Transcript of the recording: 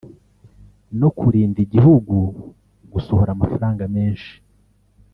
no kurinda igihugu gusohora amafaranga menshi